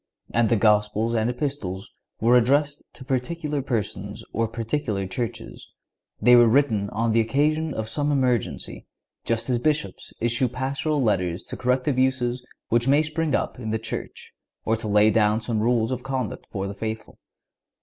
And the Gospels and Epistles were addressed to particular persons or particular churches. They were written on the occasion of some emergency, just as Bishops issue Pastoral letters to correct abuses which may spring up in the Church, or to lay down some rules of conduct for the faithful.